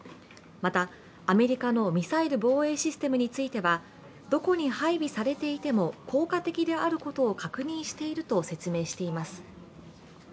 またアメリカのミサイル防衛システムについてはどこに配備されていても効果的であることを確認していると説明しています。